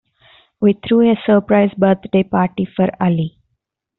We threw a surprise birthday party for Ali.